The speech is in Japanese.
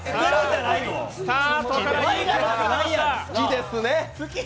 好きですね。